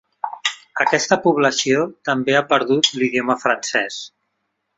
Aquesta població també a perdut l'idioma francès.